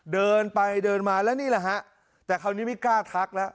เดินไปเดินมาแล้วนี่แหละฮะแต่คราวนี้ไม่กล้าทักแล้ว